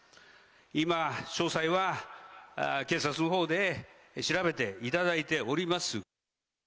今、詳細は警察のほうで調べていただいております。